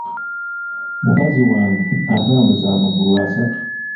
Mukazi wange atambuza amagulu asatu.